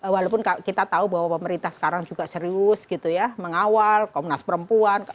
walaupun kita tahu bahwa pemerintah sekarang juga serius gitu ya mengawal komnas perempuan